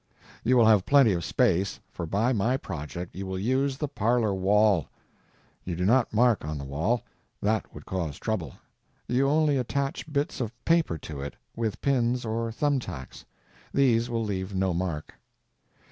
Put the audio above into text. You will have plenty of space, for by my project you will use the parlor wall. You do not mark on the wall; that would cause trouble. You only attach bits of paper to it with pins or thumb tacks. These will leave no mark.